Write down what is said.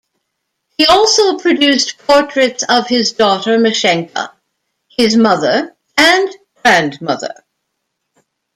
He also produced portraits of his daughter Mashenka, his mother and grandmother.